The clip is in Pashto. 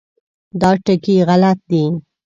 دا ټکي غلط دي.